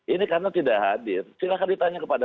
ini karena tidak hadir silahkan ditanya kepada